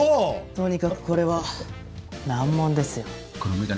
とにかくこれは難問ですよ。